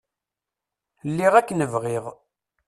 Lliɣ akken bɣiɣ.